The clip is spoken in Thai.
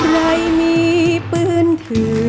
ใครมีเปลือนถือ